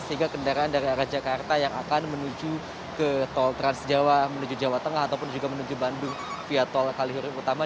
sehingga kendaraan dari arah jakarta yang akan menuju ke tol transjawa menuju jawa tengah ataupun juga menuju bandung via tol kalihuri utama